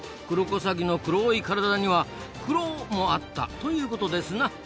クロコサギの黒い体にはクロもあったということですな。